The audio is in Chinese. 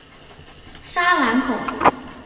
沙朗孔。